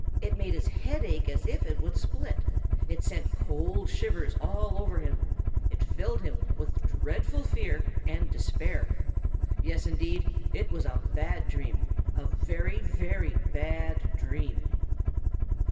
It made his head ache as if it would split. It sent cold shivers all over him. It filled him with dreadful fear and despair. Yes, indeed, it was a bad dream, a very, very bad dream!